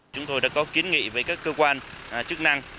chúng tôi đã có kiến nghị với các cơ quan chức năng